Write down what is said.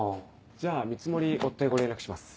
じゃあ見積もり追ってご連絡します。